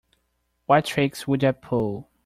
What tricks would I pull?